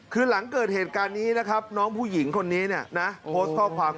คือหลังเกิดเหตุการณ์นี้นะครับน้องผู้หญิงคนนี้เนี่ยนะโพสต์ข้อความ